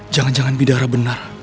jangan jangan bidara benar